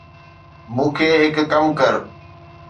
مون کي هڪ ڪم ڪر